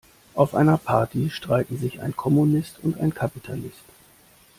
Auf einer Party streiten sich ein Kommunist und ein Kapitalist.